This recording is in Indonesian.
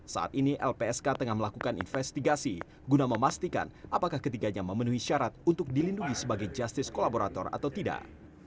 saat ini lpsk tengah melakukan investigasi guna memastikan apakah ketiganya memenuhi syarat untuk dilindungi sebagai justice kolaborator atau tidak